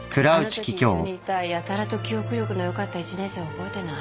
あのとき一緒にいたやたらと記憶力の良かった１年生覚えてない？